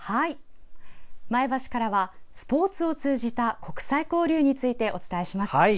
前橋からはスポーツを通じた国際交流についてお伝えします。